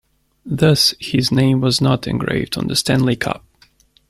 Thus, his name was not engraved on the Stanley Cup.